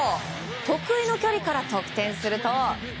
得意の距離から得点すると。